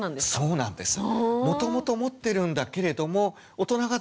そうなんです。